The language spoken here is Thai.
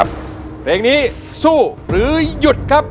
เพลงนี้สู้หรือหยุดครับ